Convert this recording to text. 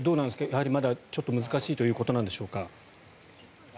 やはりまだちょっと難しいということなんでしょうか？